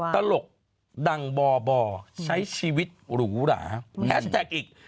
ตลกดังบ่อบ่อใช้ชีวิตหรูหราแฮชแท็กอีก